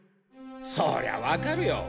そりゃわかるよ！